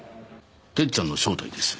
「てっちゃん」の正体です。